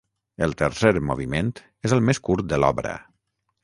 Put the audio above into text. El tercer moviment és el més curt de l’obra.